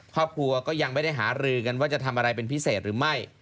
ครอบครัวก็ยังไม่ได้หารือกันว่าจะทำอะไรเป็นพิเศษหรือไม่